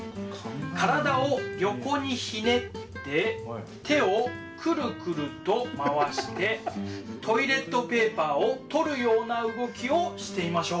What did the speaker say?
体を横にひねって手をクルクルと回してトイレットペーパーを取るような動きをしてみましょう。